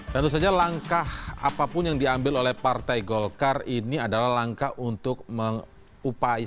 tentu saja langkah apapun yang diambil oleh partai golkar ini adalah langkah untuk mengupayakan